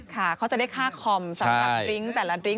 ค่ะเขาจะได้ค่าคอมสำหรับดริงค์แต่ละดริงค์